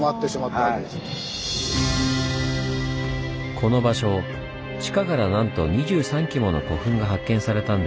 この場所地下からなんと２３基もの古墳が発見されたんです。